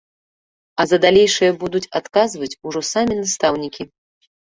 А за далейшае будуць адказваць ужо самі настаўнікі.